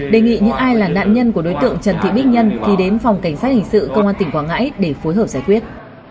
đề nghị những ai là nạn nhân của đối tượng trần thị bích nhân thì đến phòng cảnh sát hình sự công an tỉnh quảng ngãi để phối hợp giải quyết